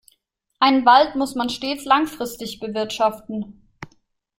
Einen Wald muss man stets langfristig bewirtschaften.